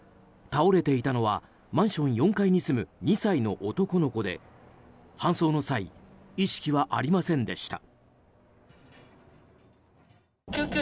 倒れていたのはマンション４階に住む２歳の男の子で、搬送の際意識はありませんでした。